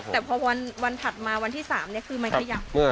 แต่พอวันถัดมาวันที่๓คือมันขยับ